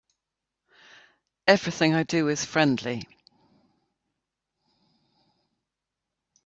Everything I do is friendly.